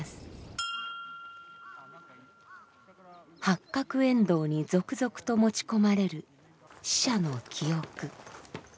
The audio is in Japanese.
八角円堂に続々と持ち込まれる死者の記憶。